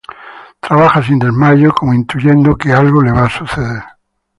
Trabaja sin desmayo, como intuyendo que algo le va a suceder.